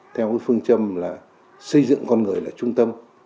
theo phương châm là xây dựng con người là trung tâm